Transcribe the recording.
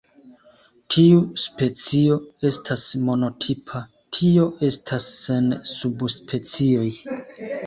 Tiu specio estas monotipa, tio estas sen subspecioj.